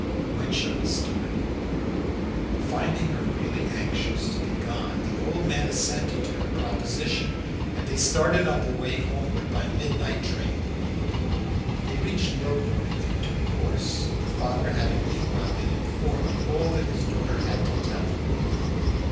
When shall we start?" Finding her really anxious to be gone, the old man assented to her proposition, and they started on their way homeward by the midnight train. They reached Millbrook in due course, the father having meanwhile been informed of all that his daughter had to tell him.